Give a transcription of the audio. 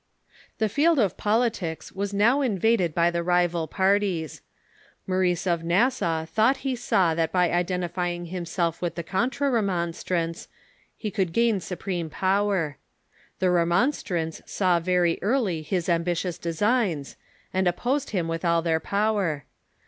The field of politics w^as now invaded by the rival parties. Maurice of Nassau thought he saw that by identifying himself „..,>.. with the Contra Remonstrants he could sjain su Rival Parties n n t » i preme power. Ihe Remonstrants saw very early liis ambitious designs, and opposed him with all their power.